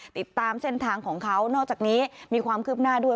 ติดตามเส้นทางของเขานอกจากนี้มีความคืบหน้าด้วย